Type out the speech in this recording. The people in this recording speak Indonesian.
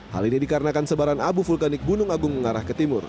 hal ini dikarenakan sebaran abu vulkanik gunung agung mengarah ke timur